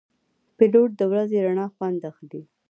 پیلوټ د ورځې رڼا خوند اخلي.